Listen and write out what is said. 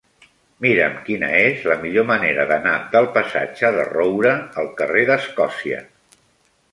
Mira'm quina és la millor manera d'anar del passatge de Roura al carrer d'Escòcia.